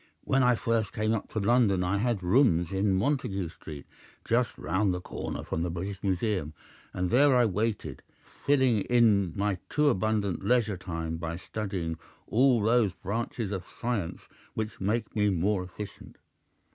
"When I first came up to London I had rooms in Montague Street, just round the corner from the British Museum, and there I waited, filling in my too abundant leisure time by studying all those branches of science which might make me more efficient.